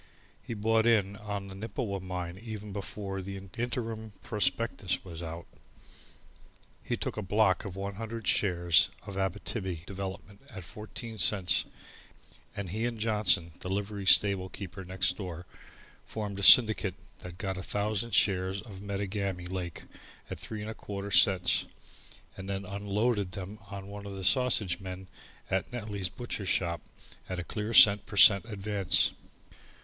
He bought in on the Nippewa mine even before the interim prospectus was out. He took a "block" of 100 shares of Abbitibbi Development at fourteen cents, and he and Johnson, the livery stablekeeper next door, formed a syndicate and got a thousand shares of Metagami Lake at 3 1/4 cents and then "unloaded" them on one of the sausage men at Netley's butcher shop at a clear cent per cent advance.